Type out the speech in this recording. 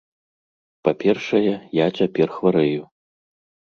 Па-першае, я цяпер хварэю.